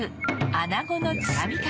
アナゴの掴み方